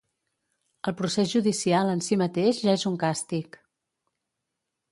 El procés judicial en si mateix ja és un càstig.